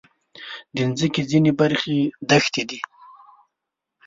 د مځکې ځینې برخې دښتې دي.